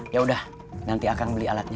ya udah nanti akan beli alatnya